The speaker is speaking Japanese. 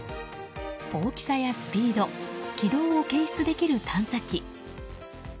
大きさやスピード軌道を検出できる探査機。